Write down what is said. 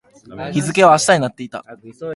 日付は明日になっていた